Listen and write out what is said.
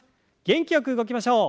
元気よく動きましょう。